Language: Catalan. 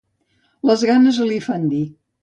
Les ganes l'hi fan dir.